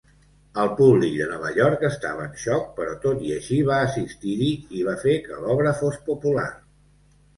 El públic de Nova York estava en xoc però tot i així va assistir-hi i va fer que l'obra fos popular.